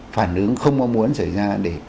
phản ứng không có muốn xảy ra để